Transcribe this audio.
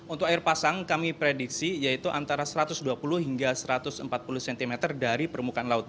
untuk air pasang kami prediksi yaitu antara satu ratus dua puluh hingga satu ratus empat puluh cm dari permukaan laut